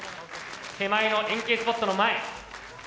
手前の円形スポットの前。